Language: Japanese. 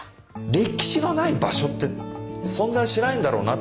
歴史のない場所って存在しないんだろうなって